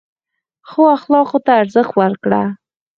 ښو اخلاقو ته ارزښت ورکړه.